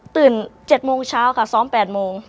๗โมงเช้าค่ะซ้อม๘โมง